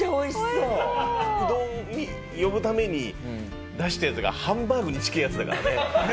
うどんに呼ぶために出したやつがハンバーグに近えやつだからね。